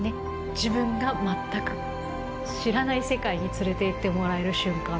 自分が全く知らない世界に連れていってもらえる瞬間